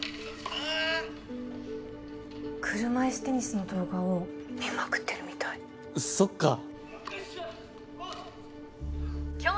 ああっ車いすテニスの動画を☎見まくってるみたいそっかよいっしょ！